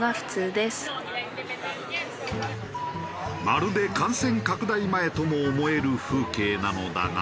まるで感染拡大前とも思える風景なのだが。